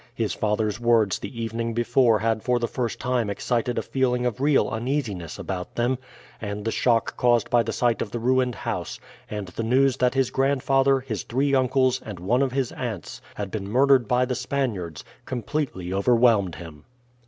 His father's words the evening before had for the first time excited a feeling of real uneasiness about them, and the shock caused by the sight of the ruined house, and the news that his grandfather, his three uncles, and one of his aunts, had been murdered by the Spaniards, completely overwhelmed him.